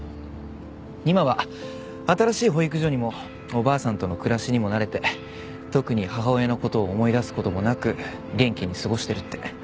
今は新しい保育所にもおばあさんとの暮らしにも慣れて特に母親の事を思い出す事もなく元気に過ごしてるって。